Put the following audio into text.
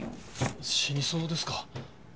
死にそうですか？